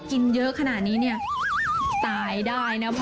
กินเยอะขนาดนี้เนี่ยตายได้นะพ่อ